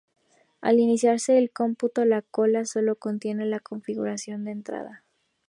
Al iniciarse el cómputo, la cola sólo contiene la configuración de entrada.